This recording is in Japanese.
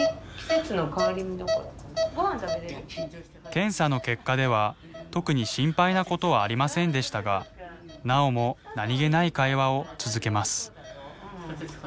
検査の結果では特に心配なことはありませんでしたがなおも何気ない会話を続けます。